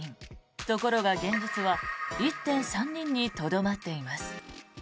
ところが、現実は１．３人にとどまっています。